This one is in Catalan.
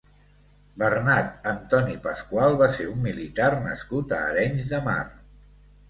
Bernat Antoni Pasqual va ser un militar nascut a Arenys de Mar.